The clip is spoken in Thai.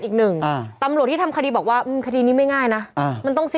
ค่าปากกาเท่าไร